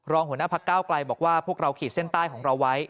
หัวหน้าพักเก้าไกลบอกว่าพวกเราขีดเส้นใต้ของเราไว้